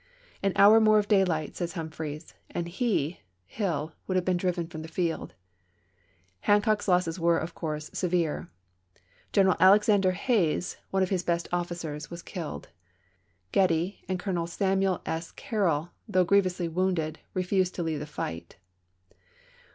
" An hour more of day pHum light," says Humphreys, "and he [Hill] would have vS^ia / been driven from the field." Hancock's losses were, ^""^^^^ of course, severe. G eneral Alexander Hays, one ^^p/^s.'" of his best officers, was killed ; Getty and Colonel Samuel S. Carroll, though grievously wounded, re fused to leave the fight.